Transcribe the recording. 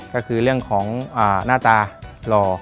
ก็คือเรื่องของหน้าตาหล่อ